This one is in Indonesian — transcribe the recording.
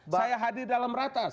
saya hadir dalam ratas